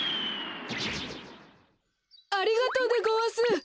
ありがとでごわす。